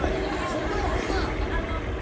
ホンマやホンマや。